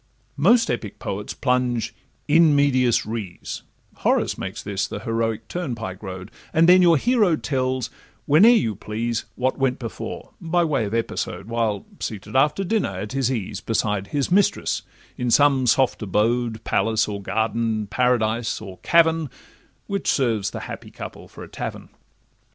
Most epic poets plunge 'in medias res' (Horace makes this the heroic turnpike road), And then your hero tells, whene'er you please, What went before—by way of episode, While seated after dinner at his ease, Beside his mistress in some soft abode, Palace, or garden, paradise, or cavern, Which serves the happy couple for a tavern.